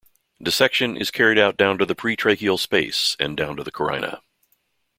Dissection is carried out down to the pretracheal space and down to the carina.